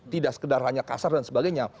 tidak sekedar hanya kasar dan sebagainya